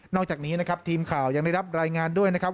อกจากนี้นะครับทีมข่าวยังได้รับรายงานด้วยนะครับ